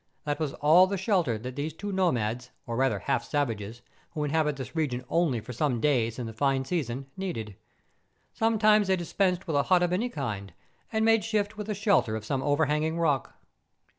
That was all the shelter that these two nomades, or rather half savages, who inhabit this region only for some days in the fine season needed. Sometimes they dispensed with a hut of any kind, and made shift with the shelter of some overhanging rock.